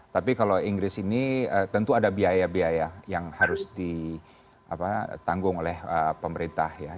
tapi kalau inggris ini tentu ada biaya biaya yang harus ditanggung oleh pemerintah ya